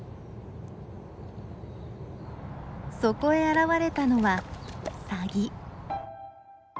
そこへ現れたのはサギ。